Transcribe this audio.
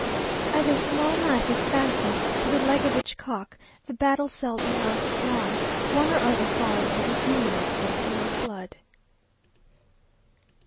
As a small knife is fastened to the leg of each cock, the battle seldom lasted long, one or other falling every few minutes in a pool of blood.